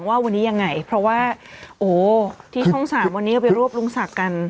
ว่าวันนี้ยังไงเพราะว่าโอ้ที่ช่องสามวันนี้ก็ไปรวบลุงศักดิ์กัน